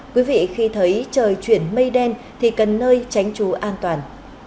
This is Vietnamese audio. quý vị khi thấy trời chuyển mây đen thì cần nơi tránh trú an toàn